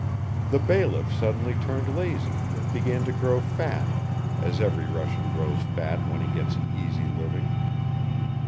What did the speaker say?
The bailiff suddenly turned lazy and began to grow fat as every Russian grows fat when he gets an easy living.